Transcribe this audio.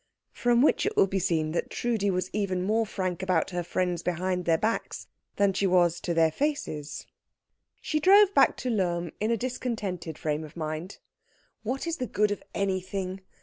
From which it will be seen that Trudi was even more frank about her friends behind their backs than she was to their faces. She drove back to Lohm in a discontented frame of mind. "What's the good of anything?"